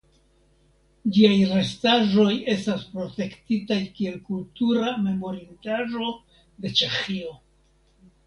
Ĝiaj restaĵoj estas protektitaj kiel kultura memorindaĵo de Ĉeĥio.